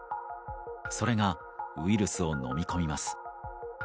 それがウイルスをのみ込みます。